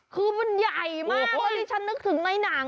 คือมันใหญ่มากแล้วดิฉันนึกถึงในหนัง